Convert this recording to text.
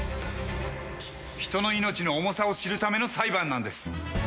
人の命の重さを知るための裁判なんです。